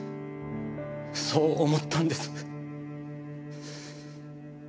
そう思ったんです。